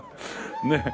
ねえ。